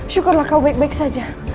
syukurlah kau baik baik saja